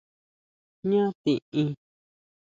¿Jñá tiʼin?